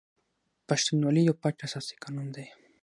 پښتونولي یو پټ اساسي قانون دی.